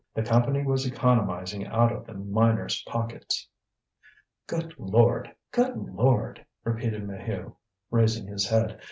The Company was economizing out of the miners' pockets. "Good Lord! Good Lord!" repeated Maheu, raising his head.